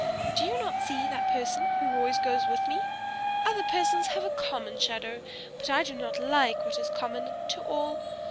Do you not see that person who always goes with me? Other persons have a common shadow, but I do not like what is common to all.